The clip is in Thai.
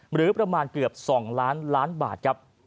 หรือประมาณเกือบ๒ล้านล้านบาทครับ